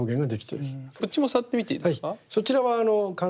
こっちも触ってみていいですか？